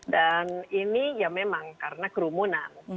dan ini ya memang karena kerumunan